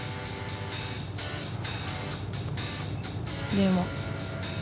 電話。